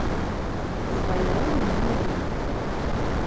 Свае руны мне не вышыць.